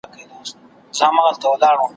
د آرزو له پېغلو سترګو یوه اوښکه `